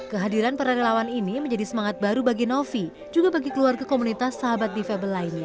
kehadiran para relawan ini menjadi semangat baru bagi novi juga bagi keluarga komunitas sahabat difabel lainnya